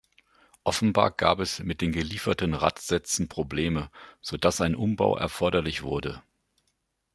Offenbar gab es mit den gelieferten Radsätzen Probleme, sodass ein Umbau erforderlich wurde.